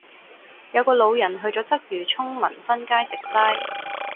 有個老人去左鰂魚涌民新街食齋